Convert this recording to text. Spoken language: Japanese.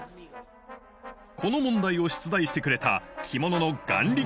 この問題を出題してくれた着物の眼力